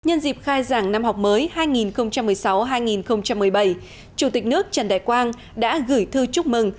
nhân dịp khai giảng năm học mới hai nghìn một mươi sáu hai nghìn một mươi bảy chủ tịch nước trần đại quang đã gửi thư chúc mừng